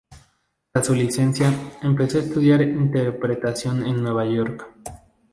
Tras su licencia, empezó a estudiar interpretación en Nueva York.